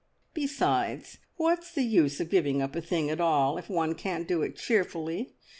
Besides, what is the use of giving up a thing at all if one can't do it cheerfully?